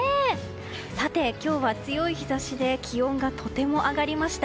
さて、今日は強い日差しで気温がとても上がりました。